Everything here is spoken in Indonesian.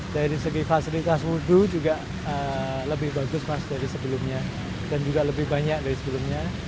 dari segi fasilitas wudhu juga lebih bagus mas dari sebelumnya dan juga lebih banyak dari sebelumnya